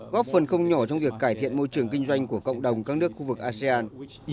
góp phần không nhỏ trong việc cải thiện môi trường kinh doanh của cộng đồng các nước khu vực asean